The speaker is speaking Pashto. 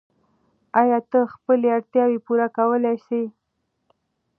آیا ته خپلې اړتیاوې پوره کولای سې؟